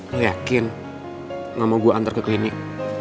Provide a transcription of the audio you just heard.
lo yakin gak mau gue antar ke klinik